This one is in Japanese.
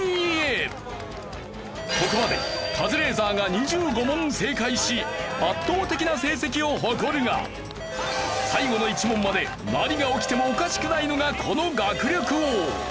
ここまでカズレーザーが２５問正解し圧倒的な成績を誇るが最後の１問まで何が起きてもおかしくないのがこの学力王！